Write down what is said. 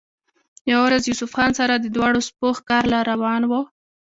يوه ورځ يوسف خان سره د دواړو سپو ښکار له روان وۀ